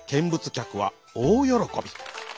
きゃくはおおよろこび。